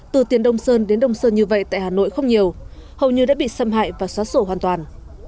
từ tiền đông sơn đến đông sơn như vậy tại hà nội không nhiều hầu như đã bị xâm hại và xóa sổ hoàn toàn